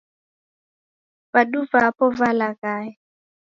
Vadu vapo valaghaya